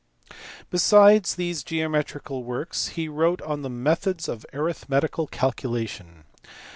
Besides these geometrical works he wrote on the methods of arithmetical calcidation.